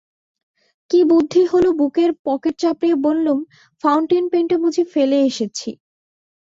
কী বুদ্ধি হল বুকের পকেট চাপড়িয়ে বললুম, ফাউন্টেন পেনটা বুঝি ফেলে এসেছি।